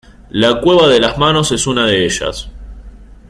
La Cueva de las Manos es una de ellas.